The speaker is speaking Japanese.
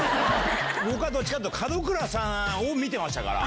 僕はどっちかというと、門倉さんを見てましたから。